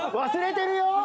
忘れてるよ？